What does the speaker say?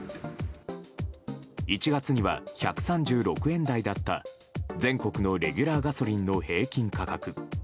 １月には１３６円台だった全国のレギュラーガソリンの平均価格。